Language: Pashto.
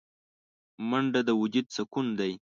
منډه د وجود سکون دی